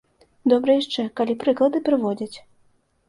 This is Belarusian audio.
Добра яшчэ, калі прыклады прыводзяць.